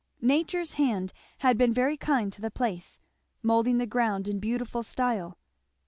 Nature's hand had been very kind to the place, moulding the ground in beautiful style.